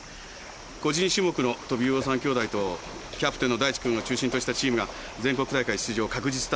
個人種目のトビウオ三兄弟とキャプテンの大地君を中心としたチームが全国大会出場は確実だと言われております。